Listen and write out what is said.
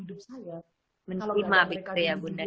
kehidupan hidup saya